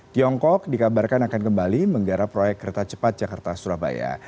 tiongkok dikabarkan akan kembali menggarap proyek kereta cepat jakarta surabaya